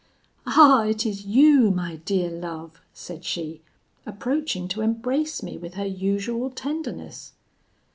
'Ah! it is you, my dear love,' said she, approaching to embrace me with her usual tenderness.